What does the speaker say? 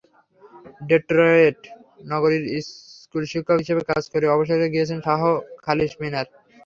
Detroit নগরীতে স্কুলশিক্ষক হিসেবে কাজ করে অবসরে গিয়েছেন শাহ খালিশ মিনার।